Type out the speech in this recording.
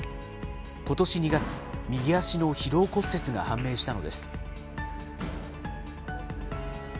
ことし２月、右足の疲労骨折が判明したのです。